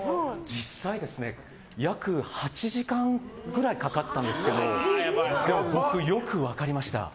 実際、約８時間くらいかかったんですけど僕よく分かりました。